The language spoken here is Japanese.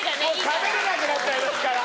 しゃべれなくなっちゃいますから。